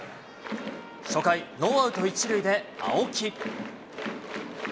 初回、ノーアウト１塁で、青木。